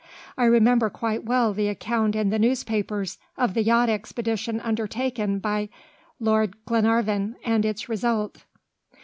I remember quite well the account in the newspapers of the yacht expedition undertaken by Lord Glenarvan, and its result."